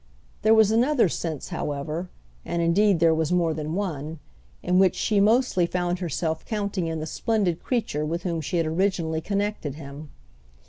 There was another sense, however—and indeed there was more than one—in which she mostly found herself counting in the splendid creature with whom she had originally connected him.